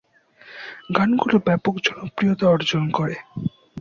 গানগুলো ব্যাপক জনপ্রিয়তা অর্জন করে।